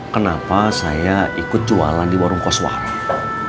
kenapa saya ikut jualan di warung kos warung